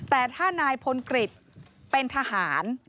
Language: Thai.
แต่ถ้านายพลกฤษเป็นทหาร